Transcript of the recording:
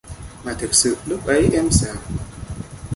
mà thực sự lúc ấy em sợ